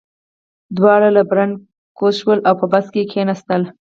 دواړه له برنډې کوز شول او په بس کې کېناستل